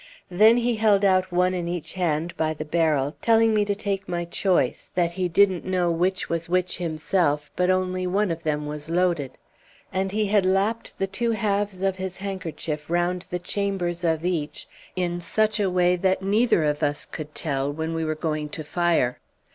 Then he held out one in each hand by the barrel, telling me to take my choice, that he didn't know which was which himself, but only one of them was loaded. And he had lapped the two halves of his handkerchief round the chambers of each in such a way that neither of us could tell when we were going to fire.